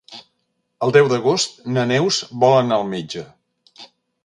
El deu d'agost na Neus vol anar al metge.